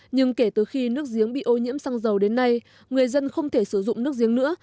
nhưng kể từ khi nước giếng bị ô nhiễm xăng dầu đến nay người dân không thể sử dụng nước giếng nữa